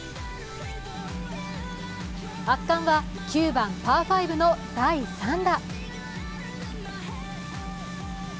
圧巻は９番・パー５の第３打。